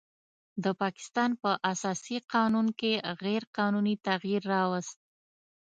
د پاکستان په اساسي قانون کې غیر قانوني تغیر راوست